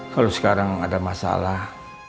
kalau sekarang ada masalah